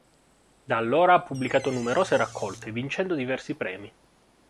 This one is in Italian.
Da allora ha pubblicato numerose raccolte, vincendo diversi premi.